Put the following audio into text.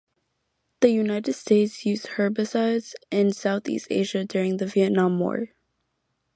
The United States used herbicides in Southeast Asia during the Vietnam War.